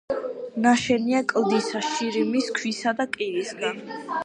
ნაშენია კლდისა, შირიმის ქვისა და კირისაგან.